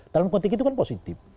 dalam konteks itu kan positif